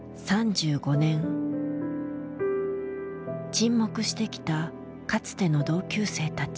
沈黙してきたかつての同級生たち。